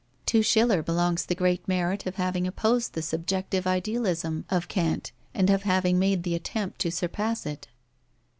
To Schiller belongs the great merit of having opposed the subjective idealism of Kant and of having made the attempt to surpass it.